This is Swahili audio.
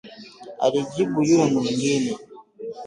alijibu yule mwingine